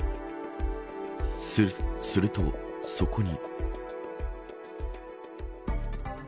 するとそこに。